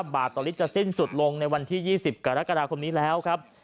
บาทต่อลิตรจะสิ้นสุดลงในวันที่๒๐กรกฎาคมนี้แล้วครับ